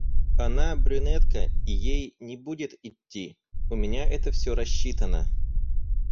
Она брюнетка, и ей не будет итти... У меня это всё рассчитано.